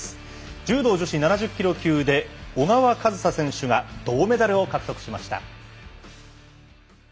柔道女子７０キロ級で小川和紗選手が銅メダルを獲得しました。